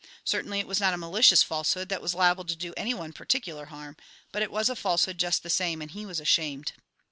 Certainly it was not a malicious falsehood that was liable to do any one particular harm, but it was a falsehood just the same, and he was ashamed.